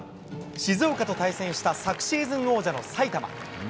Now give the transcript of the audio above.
静岡と対戦した、昨シーズン王者の埼玉。